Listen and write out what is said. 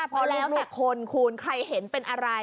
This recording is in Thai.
พอแล้วแต่คนคุณใครเห็นเป็นอะไร